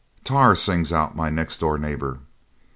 'Tar!' sings out my next door neighbour.